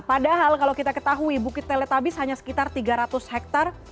padahal kalau kita ketahui bukit teletabis hanya sekitar tiga ratus hektare